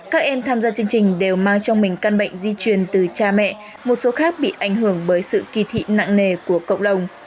các em tham gia chương trình đều mang trong mình căn bệnh di truyền từ cha mẹ một số khác bị ảnh hưởng bởi sự kỳ thị nặng nề của cộng đồng